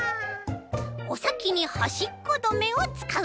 「お先にはしっこどめ！」をつかう！